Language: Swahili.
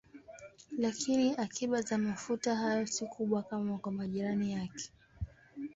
Lakini akiba za mafuta hayo si kubwa kama kwa majirani yake.